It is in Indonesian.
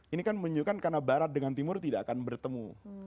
ini kan menunjukkan karena barat dengan timur tidak akan bertemu